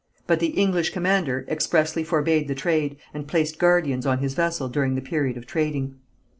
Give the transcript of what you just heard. But the English commander expressly forbade the trade, and placed guardians on his vessel during the period of trading.